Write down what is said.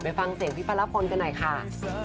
ไปฟังเสียงพี่พระรพลกันหน่อยค่ะ